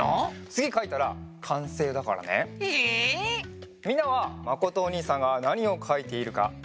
つぎかいたらかんせいだからね。え！？みんなはまことおにいさんがなにをかいているかわかるかな？